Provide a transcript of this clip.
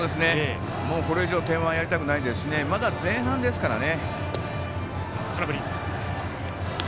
これ以上点をやりたくないですからねまだ前半ですからね。